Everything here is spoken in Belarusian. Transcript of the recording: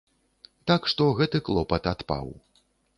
Так што гэты клопат адпаў.